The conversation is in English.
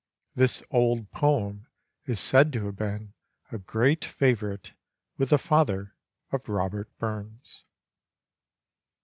This old poem is said to have been a great favourite with the father of Robert Burns.